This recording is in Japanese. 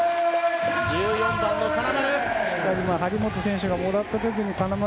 １４番の金丸！